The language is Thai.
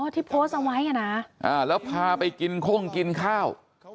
อ๋อที่โพสเอาไว้นะอ่าแล้วพาไปกินข้งกินข้าว